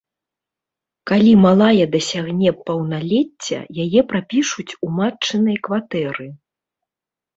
Калі малая дасягне паўналецця, яе прапішуць у матчынай кватэры.